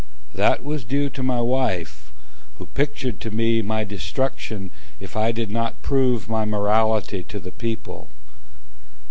That was due to my wife, Who pictured to me my destruction If I did not prove my morality to the people.